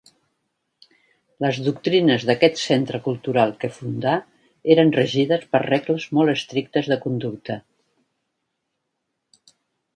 Les doctrines d'aquest centre cultural que fundà eren regides per regles molt estrictes de conducta.